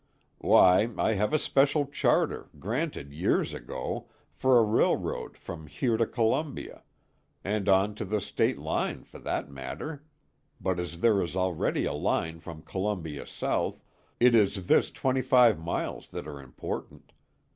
"Why, I have a special charter, granted years ago, for a railroad from here to Columbia and on to the State line, for that matter, but as there is already a line from Columbia south, it is this twenty five miles that are important.